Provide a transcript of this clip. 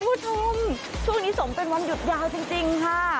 คุณผู้ชมช่วงนี้สมเป็นวันหยุดยาวจริงค่ะ